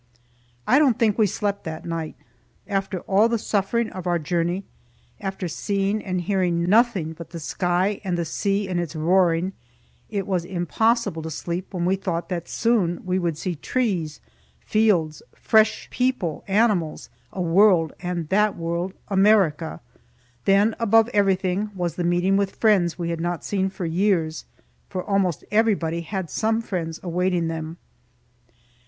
I don't think we slept that night. After all the suffering of our journey, after seeing and hearing nothing but the sky and the sea and its roaring, it was impossible to sleep when we thought that soon we would see trees, fields, fresh people, animals a world, and that world America. Then, above everything, was the meeting with friends we had not seen for years; for almost everybody had some friends awaiting them.